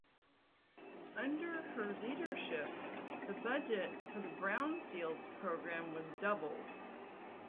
Under her leadership, the budget for the Brownfields program was doubled.